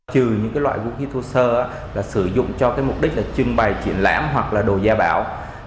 trừ những loại vũ khí thu sơ sử dụng cho mục đích trưng bày triển lãm hoặc đồ gia bảo